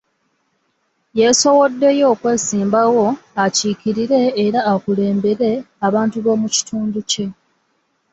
Yeesowoddeyo okwesimbawo, akiikirire era akulembere abantu b'omu kitundu kye.